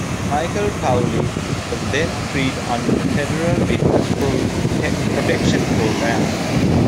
Michael Townley was then freed under the federal Witness Protection Program.